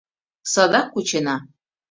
Садак кучена!